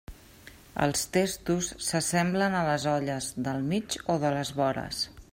Els testos s'assemblen a les olles, del mig o de les vores.